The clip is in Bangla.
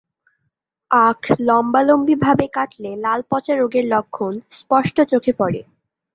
আখ লম্বালম্বিভাবে কাটলে লাল পচা রোগের লক্ষণ স্পষ্ট চোখে পড়ে।